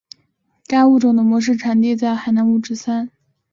该物种的模式产地在海南五指山。